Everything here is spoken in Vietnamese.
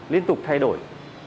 liên tục thay đổi